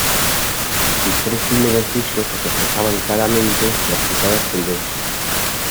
Sus tres primeros discos reflejan claramente las citadas tendencias.